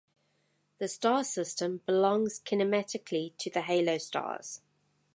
The star system belongs kinematically to the halo stars.